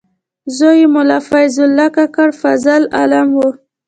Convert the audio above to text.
زوی یې ملا فیض الله کاکړ فاضل عالم و.